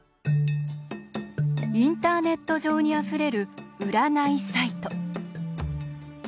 インターネット上にあふれる占いサイト。